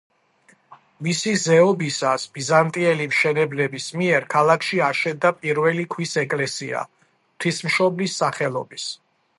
მისი ზეობისას ბიზანტიელი მშენებლების მიერ ქალაქში აშენდა პირველი ქვის ეკლესია, ღვთისმშობლის სახელობის.